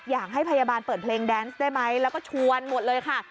อยากให้พยาบาลเปิดเพลงแดนซ์ได้ไหมแล้วก็ชวนหมดเลยค่ะ